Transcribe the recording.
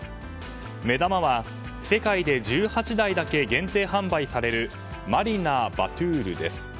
目玉は、世界で１８台だけ限定販売される「マリナーバトゥール」です。